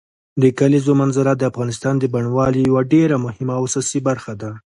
د کلیزو منظره د افغانستان د بڼوالۍ یوه ډېره مهمه او اساسي برخه ده.